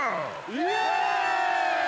イエーイ！